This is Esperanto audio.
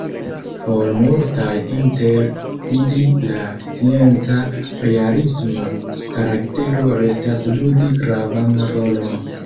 Por multaj inter ili la scienca, "realisma" karaktero restas ludi gravan rolon.